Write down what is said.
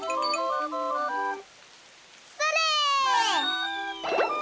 それ！